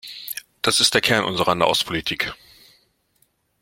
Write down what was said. Das ist der Kern unserer Nahostpolitik.